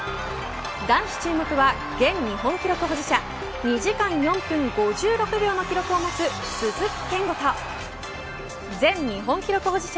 男子注目は現日本記録保持者２時間４分５６秒の記録を持つ鈴木健吾と前日本記録保持者